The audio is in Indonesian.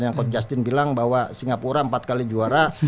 yang coach justin bilang bahwa singapura empat kali juara